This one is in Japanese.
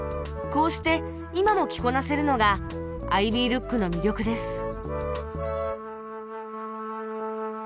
こうして今も着こなせるのがアイビールックの魅力です